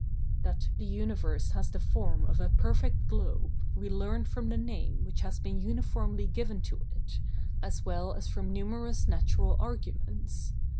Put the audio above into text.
That the universe has the form of a perfect globe we learn from the name which has been uniformly given to it, as well as from numerous natural arguments.